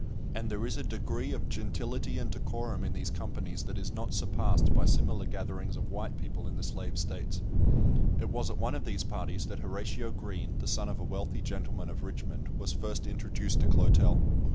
And there is a degree of gentility and decorum in these companies that is not surpassed by similar gatherings of white people in the Slave States. It was at one of these parties that Horatio Green, the son of a wealthy gentleman of Richmond, was first introduced to Clotel.